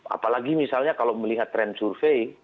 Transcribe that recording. apalagi misalnya kalau melihat trend survey